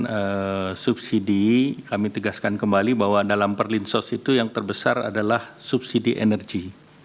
kemudian subsidi kami tegaskan kembali bahwa dalam perlinsos itu yang terbesar adalah subsidi energi